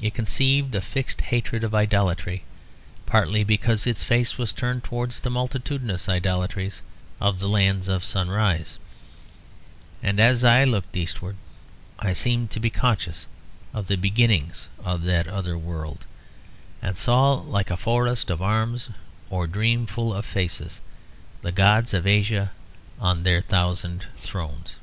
It conceived a fixed hatred of idolatry, partly because its face was turned towards the multitudinous idolatries of the lands of sunrise; and as I looked Eastward I seemed to be conscious of the beginnings of that other world; and saw, like a forest of arms or a dream full of faces, the gods of Asia on their thousand thrones.